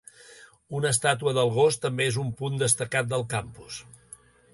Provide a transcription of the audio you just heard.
Una estàtua del gos també és un punt destacat del campus.